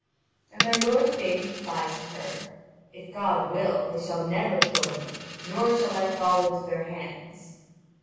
And my lord Yvain replies to her: "If God will they shall never kill me, nor shall I fall into their hands."